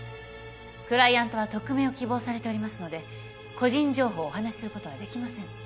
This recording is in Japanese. クライアントは匿名を希望されておりますので個人情報をお話しすることはできません。